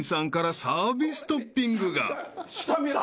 スタミナ。